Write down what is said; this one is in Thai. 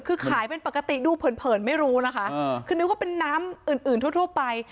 คือขายเป็นปกติดูเผินเผินไม่รู้นะคะคือนึกว่าเป็นน้ำอื่นอื่นทั่วไป